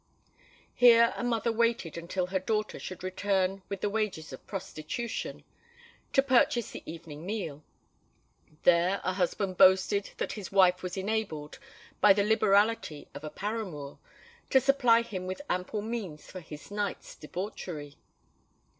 Here a mother waited until her daughter should return with the wages of prostitution, to purchase the evening meal: there a husband boasted that his wife was enabled, by the liberality of a paramour, to supply him with ample means for his night's debauchery.